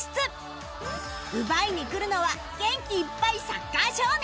奪いに来るのは元気いっぱいサッカー少年